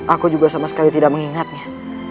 aku juga sama sekali tidak mengingatnya